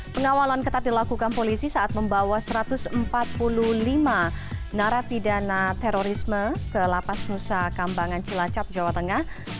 pengawalan ketat dilakukan polisi saat membawa satu ratus empat puluh lima narapidana terorisme ke lapas nusa kambangan cilacap jawa tengah